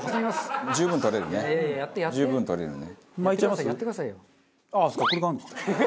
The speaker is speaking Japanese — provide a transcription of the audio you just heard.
十分取れるね。